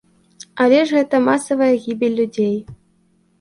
Але ж гэта масавая гібель людзей.